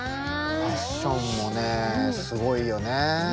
ファッションもねすごいよね。